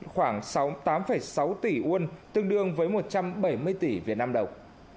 khoảng tám sáu tỷ won tương đương với một trăm bảy mươi tỷ việt nam đồng